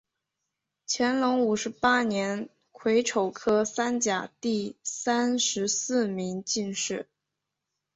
乾隆五十八年癸丑科三甲第三十四名进士。